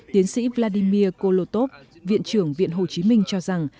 tiến sĩ vladimir kolotov viện trưởng viện hồ chí minh cho rằng